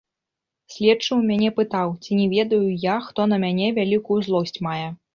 Следчы ў мяне пытаў, ці не ведаю я, хто на мяне вялікую злосць мае.